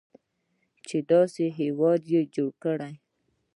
چې داسې هیواد یې جوړ کړی.